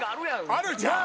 あるじゃん！